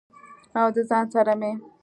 او د ځان سره مې